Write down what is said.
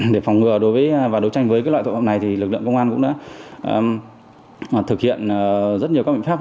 để phòng ngừa và đối tranh với loại tội vụ này lực lượng công an cũng đã thực hiện rất nhiều các biện pháp